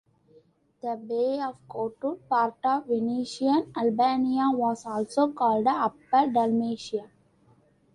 The Bay of Kotor, part of Venetian Albania, was also called "Upper Dalmatia".